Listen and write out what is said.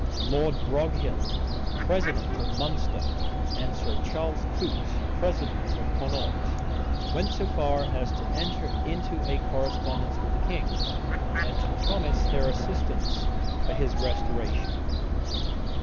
Lord Broghill, president of Munster, and Sir Charles Coote, president of Connaught, went so far as to enter into a correspondence with the king, and to promise their assistance for his restoration.